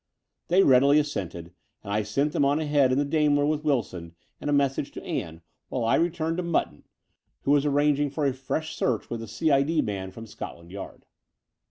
They readily assented, and I sent them on ahead in the Daimler with Wilson and a message to Ann, while I rettuned to Mutton, who was arranging 52 The Door of the Unreal for a fresh search with the C.I.D. man from Scot land Yard.